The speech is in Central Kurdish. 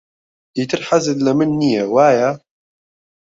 ئیتر حەزت لە من نییە، وایە؟